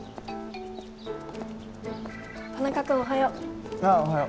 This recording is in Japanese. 田中君おはよう。